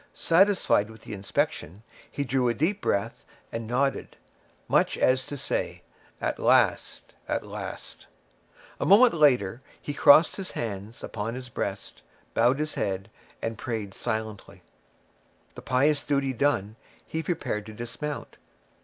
Satisfied with the inspection, he drew a deep breath and nodded, much as to say, "At last, at last!" A moment after, he crossed his hands upon his breast, bowed his head, and prayed silently. The pious duty done, he prepared to dismount.